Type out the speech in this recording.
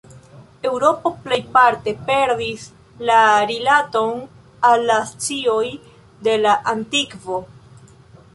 Eŭropo plejparte perdis la rilaton al la scioj de la antikvo.